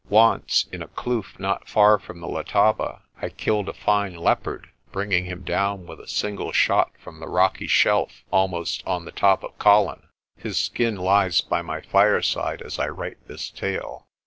Once, in a kloof not far from the Letaba, I killed a fine leopard, bringing him down with a single shot from a rocky shelf almost on the top of Colin. His skin lies by my fireside as I write this tale.